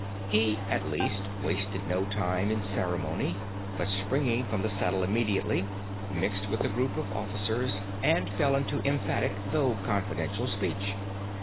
He, at least, wasted no time on ceremony, but, springing from the saddle immediately, mixed with the group of officers, and fell into emphatic though confidential speech.